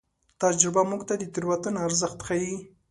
تجربه موږ ته د تېروتنې ارزښت ښيي.